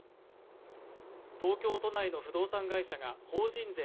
東京都内の不動産会社が法人税